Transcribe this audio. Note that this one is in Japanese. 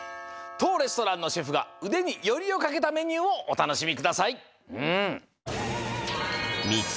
とうレストランのシェフがうでによりをかけたメニューをおたのしみください。